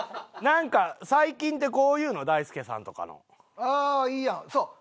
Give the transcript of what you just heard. なんか最近ってこういうの大輔さんとかの。ああいいやん。